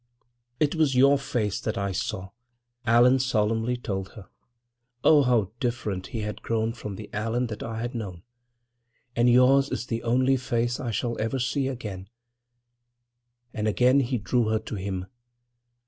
"It was your face that I saw," Allan solemnly told her—oh, how different he had grown from the Allan that I had known!—"and yours is the only face that I shall ever see." And again he drew her to him.